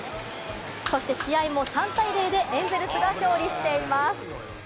試合も３対０でエンゼルスが勝利しています。